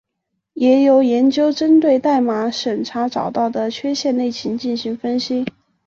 也有研究针对代码审查找到的缺陷类型进行分析。